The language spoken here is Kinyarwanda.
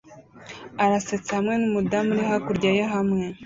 arasetsa hamwe numudamu uri hakurya ye hamwe